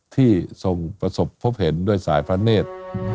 ที่ทรงประสบพบเห็นด้วยสายพระเนธ